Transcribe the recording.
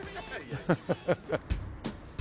ハハハハハ。